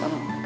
sama ama tau